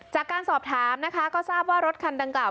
จากการสอบถามนะคะก็ทราบว่ารถคันดังกล่า